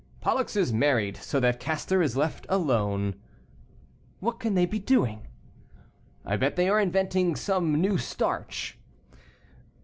"Pollux is married, so that Castor is left alone." "What can they be doing?" "I bet they are inventing some new starch."